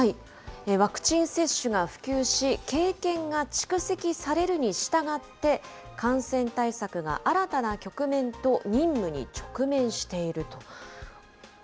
ワクチン接種が普及し、経験が蓄積されるにしたがって、感染対策が新たな局面と任務に直面していると。